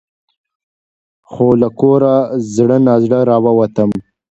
خو له کوره زړه نا زړه راوتم .